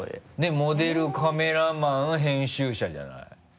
モデルカメラマン編集者じゃない？